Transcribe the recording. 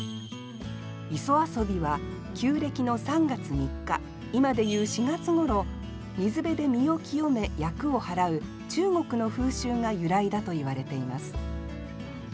「磯遊」は旧暦の３月３日今でいう４月ごろ水辺で身を清め厄をはらう中国の風習が由来だといわれています。